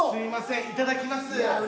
いただきます。